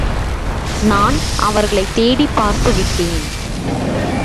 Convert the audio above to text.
நான் அவர்களைத் தேடிப் பார்த்து விட்டேன்.